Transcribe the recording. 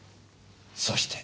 そして。